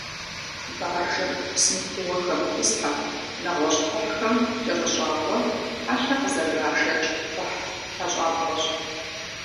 Баржэр, псым куууэ хэмытӏысхьэ, нэгъуэщӏ кхъухьым кӏэрыщӏауэ, хьэлъэ къызэрырашэкӏ кхъухь лъащӏабгъуэщ.